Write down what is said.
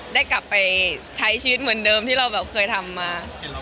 ได้กลับไปใช้ชีวิตเหมือนเดิมที่เราแบบเคยทำมา